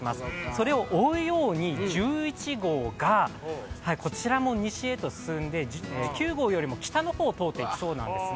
それを追うように１１号が、こちらも西へと進んで、９号よりも北の方を通っていきそうなんです